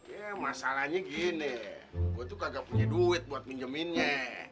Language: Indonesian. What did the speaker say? ya masalahnya gini gue tuh kagak punya duit buat minjeminnya